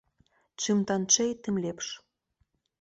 Чым танчэй, тым лепш.